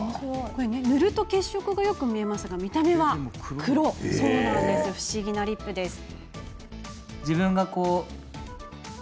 塗ると血色がよく見えますが見た目は黒い不思議なリップです。